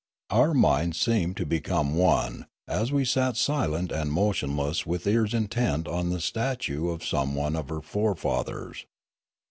Our minds seemed to become one, as we sat silent and motionless with ears intent on the statue of some one of her forefathers.